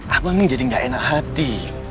aku ini jadi gak enak hati